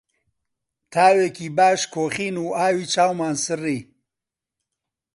تاوێکی باش کۆخین و ئاوی چاومان سڕی